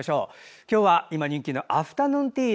今日は今、人気のアフタヌーンティー。